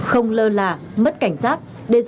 không lơ lạ mất cảnh sát